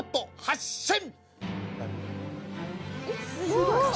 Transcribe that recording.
すごい！